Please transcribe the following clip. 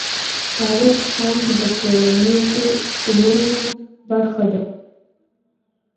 تاريخ هم د ټولنيزو علومو برخه ده.